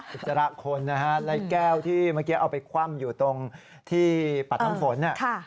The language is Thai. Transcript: อุจจาระคนนะครับและแก้วที่เมื่อกี้เอาไปคว่ำอยู่ตรงที่ปัดทั้งฝน